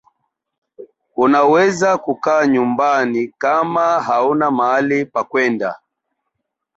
unaweza kukaa nyumbani kama hauna mahali pakwenda